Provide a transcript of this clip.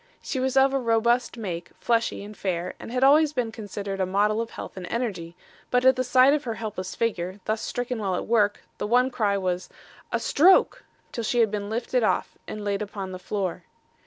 She was of a robust make, fleshy and fair, and had always been considered a model of health and energy, but at the sight of her helpless figure, thus stricken while at work, the one cry was 'A stroke! till she had been lifted off and laid upon the floor.